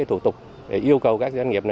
thủ tục yêu cầu các doanh nghiệp